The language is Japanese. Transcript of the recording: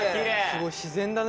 すごい自然だね。